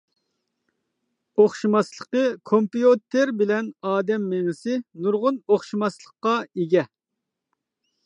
ئوخشىماسلىقى كومپيۇتېر بىلەن ئادەم مېڭىسى نۇرغۇن ئوخشاشماسلىققا ئىگە.